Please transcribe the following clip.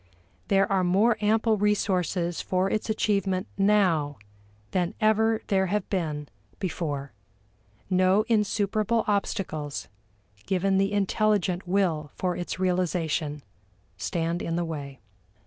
There are more ample resources for its achievement now than ever there have been before. No insuperable obstacles, given the intelligent will for its realization, stand in the way.